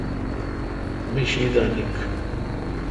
می شی دا نیکھ،